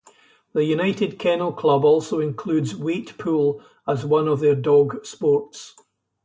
The United Kennel Club also includes Weight Pull as one of their dog sports.